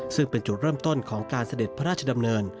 ซึ่งเป็นจุดเริ่มต้นของการเสด็จพระราชดำเนิน